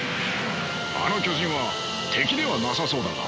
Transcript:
あの巨人は敵ではなさそうだが。